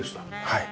はい。